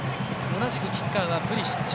同じくキッカーはプリシッチ。